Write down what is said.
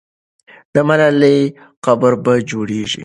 د ملالۍ قبر به جوړېږي.